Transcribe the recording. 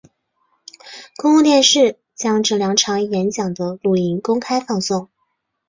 公共电视将这两场演讲的录影公开放送。